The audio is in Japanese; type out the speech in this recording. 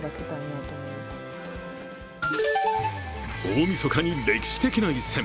大みそかに歴史的な一戦。